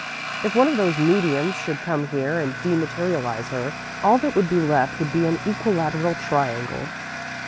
If one of those mediums should come here and dematerialize her, all that would be left would be an equilateral triangle."